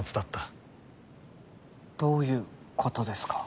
どういう事ですか？